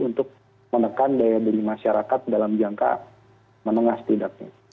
untuk menekan daya beli masyarakat dalam jangka menengah setidaknya